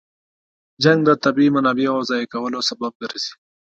جنګ د طبیعي منابعو ضایع کولو سبب ګرځي.